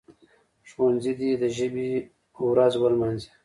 ښوونځي دي د ژبي ورځ ولمانځي.